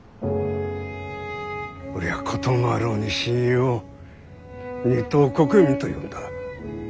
俺はこともあろうに親友を二等国民と呼んだ。